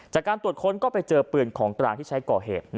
จากการตรวจค้นก็ไปเจอปืนของกลางที่ใช้ก่อเหตุ